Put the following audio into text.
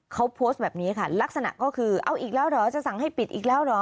เขาโพสต์แบบนี้ค่ะลักษณะก็คือเอาอีกแล้วเหรอจะสั่งให้ปิดอีกแล้วเหรอ